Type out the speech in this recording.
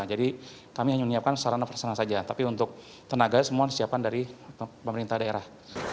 jadi kami hanya menyiapkan sarana perserana saja tapi untuk tenaga semua disiapkan dari pemerintah daerah